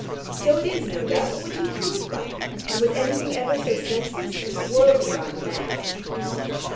So it is no doubt. But what do you prove by it? Was anything ever so senseless? The world has gone mad."